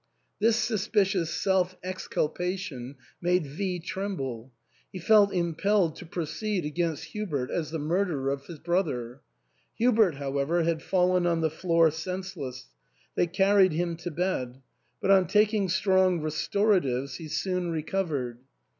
*' This suspicious self exculpation made V tremble ; he felt impelled to proceed against Hubert as the murderer of his brother. Hubert, however, had fallen on the floor senseless ; they carried him to bed ; but on taking strong restoratives he soon recovered.